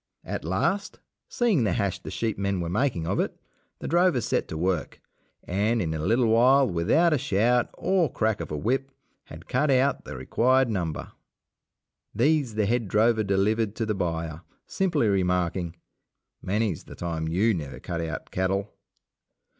At last, seeing the hash the sheep men were making of it, the drovers set to work, and in a little while, without a shout, or crack of a whip, had cut out the required number. These the head drover delivered to the buyer, simply remarking, "Many's the time you never cut out cattle."